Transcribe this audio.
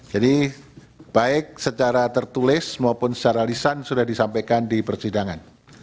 jadi baik secara tertulis maupun secara lisan sudah disampaikan di persidangan